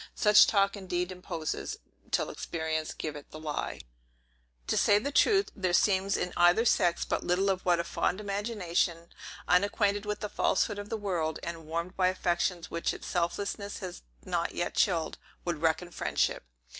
Such talk indeed imposes, till experience give it the lie. To say the truth, there seems in either sex but little of what a fond imagination, unacquainted with the falsehood of the world, and warmed by affections which its selfishness has not yet chilled, would reckon friendship.